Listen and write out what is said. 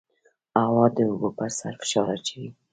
هوا د اوبو پر سر فشار اچوي.